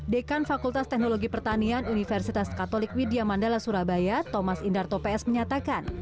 dekan fakultas teknologi pertanian universitas katolik widya mandala surabaya thomas indarto ps menyatakan